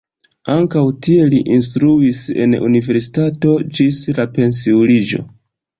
Ankaŭ tie li instruis en universitato ĝis la pensiuliĝo.